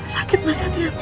sakit mas hati aku